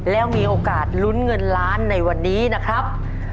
แล้วมีโอกาสลุ้นเงินล้านในวันนี้นะครับ